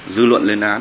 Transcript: dư luận lên án